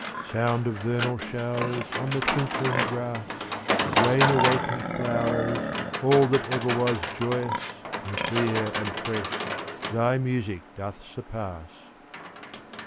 Sound of vernal showers On the twinkling grass, Rain awaken'd flowers, All that ever was, Joyous and clear and fresh, thy music doth surpass.